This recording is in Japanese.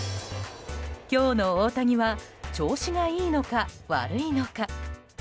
今日の大谷は調子がいいのか、悪いのか。